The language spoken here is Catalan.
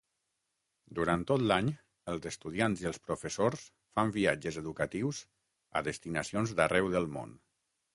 Durant tot l'any, els estudiants i els professors fan viatges educatius a destinacions d'arreu del món.